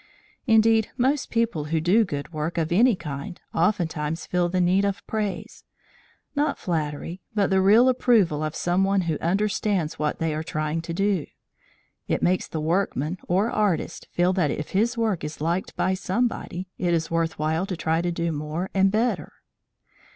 Indeed, most people who do good work of any kind oftentimes feel the need of praise; not flattery, but the real approval of some one who understands what they are trying to do. It makes the workman or artist feel that if his work is liked by somebody, it is worth while to try to do more and better.